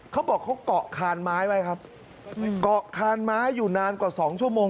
เขาบอกเขาเกาะคานไม้ไว้ครับเกาะคานไม้อยู่นานกว่าสองชั่วโมง